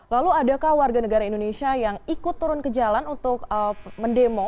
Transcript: lalu adakah warga negara indonesia yang ikut turun ke jalan untuk mendemo